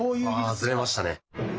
ああずれましたね。